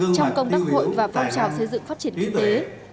trong công tác hội và phong trào xây dựng phát triển kinh tế